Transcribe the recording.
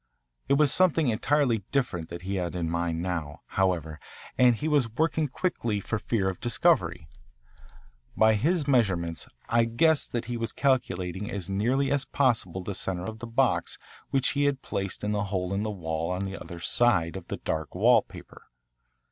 It was something entirely different that he had in mind now, however, and he was working quickly for fear of discovery. By his measurements I guessed that he was calculating as nearly as possible the centre of the box which he had placed in the hole in the wall on the other side of the dark wallpaper.